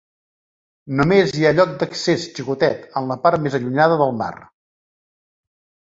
Només hi ha lloc d'accés, xicotet, en la part més allunyada de la mar.